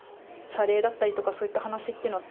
謝礼だったりとか、そういった話っていうのは。